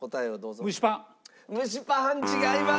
蒸しパン違います。